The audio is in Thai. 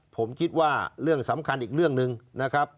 ผมคิดว่าเรื่องสำคัญอีกเรื่องหนึ่งนะครับ